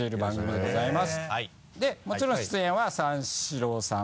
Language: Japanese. でもちろん出演は三四郎さん。